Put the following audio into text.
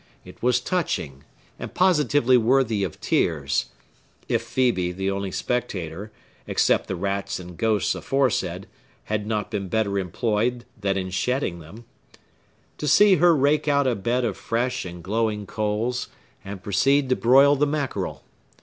It was touching, and positively worthy of tears (if Phœbe, the only spectator, except the rats and ghosts aforesaid, had not been better employed than in shedding them), to see her rake out a bed of fresh and glowing coals, and proceed to broil the mackerel.